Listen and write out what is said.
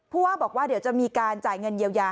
ว่าบอกว่าเดี๋ยวจะมีการจ่ายเงินเยียวยา